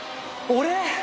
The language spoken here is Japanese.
俺？